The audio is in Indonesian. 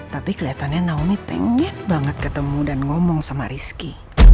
tapi kelihatannya naomi pengen banget ketemu dan ngomong sama rizky